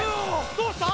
どうした？